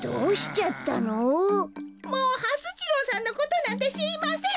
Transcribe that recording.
もうはす次郎さんのことなんてしりません！